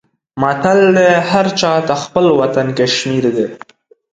متل دی: هر چاته خپل وطن کشمیر دی.